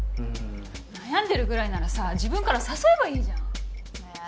悩んでるぐらいならさ自分から誘えばいいじゃんえ